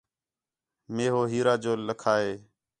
مے ہو ہیرا جو لَکھا ہِے